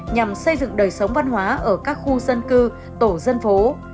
nhằm xây dựng đời sống văn hóa ở các khu dân cư tổ dân phố